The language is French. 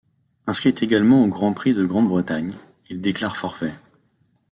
Inscrit également au Grand Prix de Grande-Bretagne, il déclare forfait.